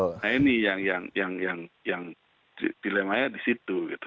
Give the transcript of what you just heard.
nah ini yang dilemanya di situ gitu